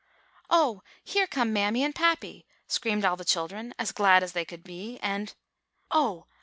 "'Oh, here come mammy and pappy!' screamed all the children, as glad as they could be; and" "Oh!